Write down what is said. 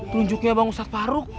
terunjuknya bang ustadz faruk